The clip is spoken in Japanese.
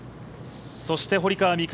そして堀川未来